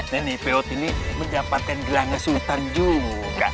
nenek peot ini menjampakkan gelangnya sultan juga